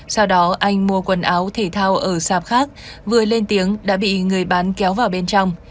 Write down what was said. sau đó anh mua quần áo thể thao ở sạp khác vừa lên tiếng đã bị người bán kéo vào bên trong